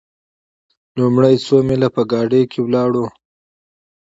لومړي څو میله په ګاډیو کې ولاړو.